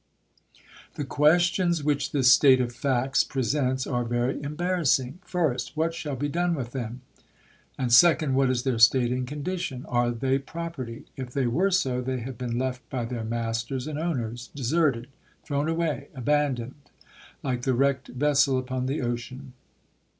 The questions which this state of facts presents are very embarrassing. First : What shall be done with them ? and second : What is their state and condition 1 ... Are they property ? If they were so, they have been left by their masters and owners, deserted, thrown away, aban doned, like the wrecked vessel upon the ocean.